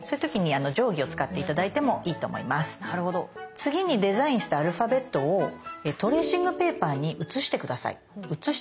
次にデザインしたアルファベットをトレーシングペーパーに写して下さい。